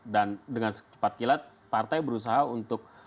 dan dengan secepat kilat partai berusaha untuk